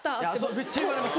めっちゃ言われます。